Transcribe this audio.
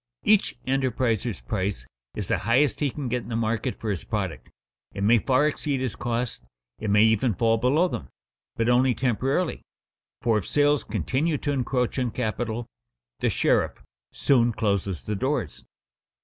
Each enterpriser's price is the highest he can get in the market for his product; it may far exceed his costs; it may even fall below them, but only temporarily, for if sales continue to encroach on capital, the sheriff soon closes the doors.